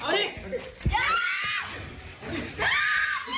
บอกแล้วบอกแล้วบอกแล้ว